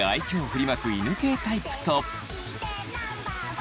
振りまく犬系タイプと。